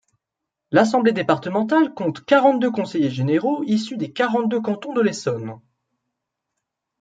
L’assemblée départementale compte quarante-deux conseillers généraux issus des quarante-deux cantons de l’Essonne.